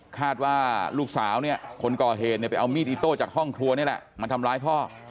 คาดว่าลูกสาวเนี่ยคนก่อเหตุเนี่ยไปเอามีดอิโต้จากห้องครัวนี่แหละมาทำร้ายพ่อ